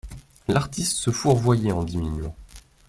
L'artiste se fourvoyait en diminuant.